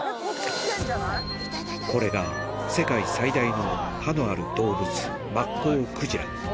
これが世界最大の歯のある動物、マッコウクジラ。